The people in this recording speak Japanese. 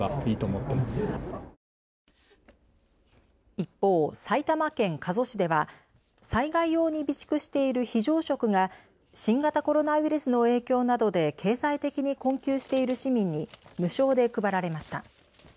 一方、埼玉県加須市では災害用に備蓄している非常食が新型コロナウイルスの影響などで経済的に困窮している市民に無償で配られました。